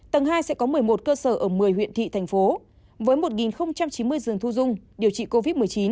tầng hai sẽ có một mươi một cơ sở ở một mươi huyện thị thành phố với một chín mươi giường thu dung điều trị covid một mươi chín